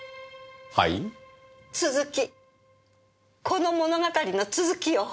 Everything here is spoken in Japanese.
この物語の続きよ！